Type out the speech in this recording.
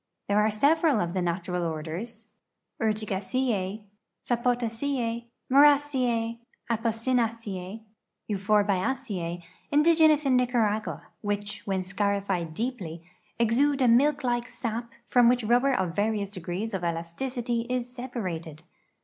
There are several of the natural orders — Crtiaicene,S(ipo((trene, Mumcene, Apoq/aaceae, and Euphorblaceac — indigenous in Nica ragua, which, when scarified deepl}^ exude a milk like sap from which rubl)er of various degrees of elasticity is se]>arated.